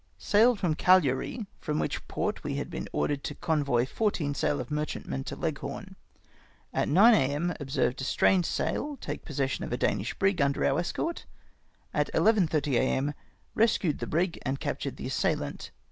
— Sailed from Cagliari, from which port we had heen ordered to convoy fourteen sail of merchantmen to Leghorn. At 9 A.m. observed a strange sail take possession of a Danish brig under our escort. At 11 '30 a.m. rescued the brig, and captured the assailant.